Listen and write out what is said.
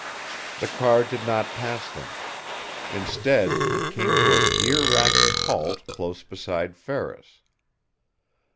The car did not pass them. Instead, it came to a gear racking halt close beside Ferris.